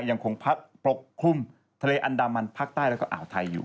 ยังคงผลกคลุมทะเลอันดามันพรรคใต้และอ่านไทยอยู่